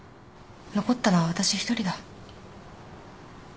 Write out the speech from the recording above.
残ったのは私一人だ。